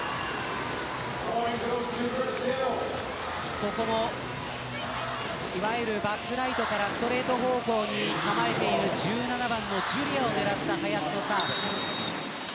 ここも、いわゆるバックライトからストレート方向に構えている１７番のジュリアを狙った林のサーブ。